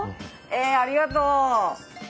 えありがとう。